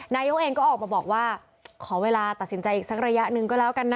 นายกเองก็ออกมาบอกว่าขอเวลาตัดสินใจอีกสักระยะหนึ่งก็แล้วกันนะ